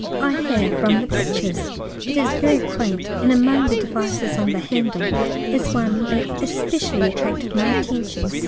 I have, from the pictures. It is very quaint; and among the devices on the handle is one that especially attracted my attention.